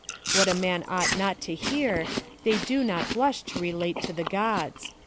What a man ought not to hear, they do not blush to relate to the gods."